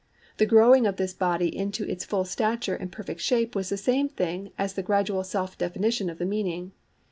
The growing of this body into its full stature and perfect shape was the same thing as the gradual self definition of the meaning.